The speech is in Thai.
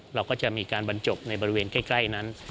เราก็จะมีการบรรจบในบริเวณใกล้นั้น